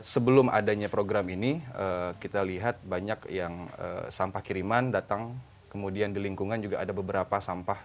sebelum adanya program ini kita lihat banyak yang sampah kiriman datang kemudian di lingkungan juga ada beberapa sampah